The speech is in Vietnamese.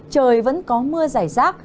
trời vẫn có mưa rải rác